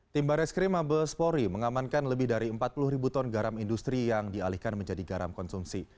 tim bareskrim mabespori mengamankan lebih dari empat puluh ribu ton garam industri yang dialihkan menjadi garam konsumsi